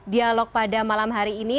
dialog pada malam hari ini